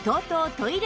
トイレ